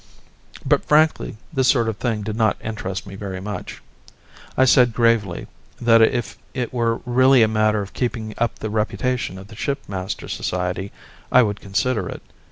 But, frankly, this sort of thing did not interest me very much. I said gravely that if it were really a matter of keeping up the reputation of the Shipmasters' Society, I would consider it.